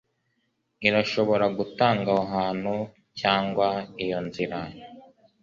irashobora gutanga aho hantu cyangwa iyo nzira